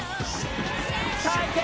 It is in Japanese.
さあいけ！